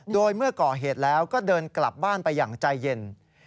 โดยเมื่อก่อเหตุแล้วก็เดินกลับบ้านไปอย่างใจเย็น